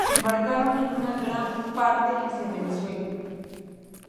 Y se embarcaron en gran parte hacia Venezuela.